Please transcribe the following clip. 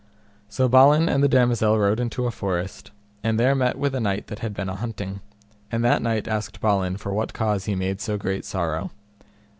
So Balin and the damosel rode into a forest, and there met with a knight that had been a hunting, and that knight asked Balin for what cause he made so great sorrow.